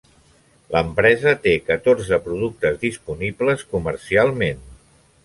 L'empresa té catorze productes disponibles comercialment.